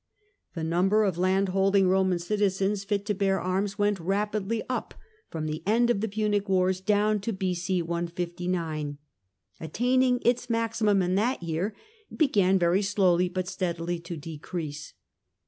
The number of land DECLINE OF AGRICULTUEE 17 holding Roman citizens fit to bear arms went rapidly up from the end of the Punic Wars down to B.a 159. Attaining its maximum in that year, it began very slowly but steadily to decrease.